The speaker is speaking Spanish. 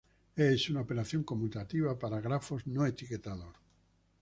Es una operación conmutativa para grafos no-etiquetados.